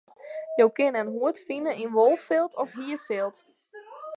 Jo kinne in hoed fine yn wolfilt of hierfilt.